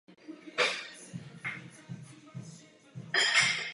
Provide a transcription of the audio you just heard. Odtud Marco a Maria odlétají do New Yorku.